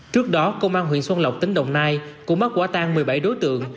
trước đó công an huyện xuân lọc tỉnh đồng nai cũng mất quả tăng một mươi bảy đối tượng